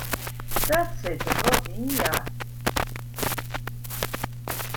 Dat sit der wol yn ja.